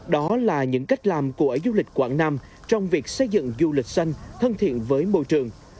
đó là những cách làm của du lịch quảng nam trong việc xây dựng du lịch xanh thân thiện với môi trường